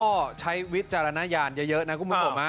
ก็ใช้วิจารณญาณเยอะนะคุณผู้ชม